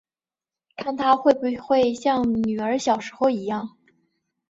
看她会不会像女儿小时候一样